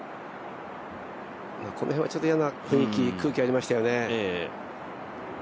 この辺はちょっといやな空気がありましたよね。